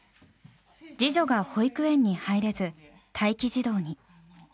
次女が保育園に入れず待機児童に。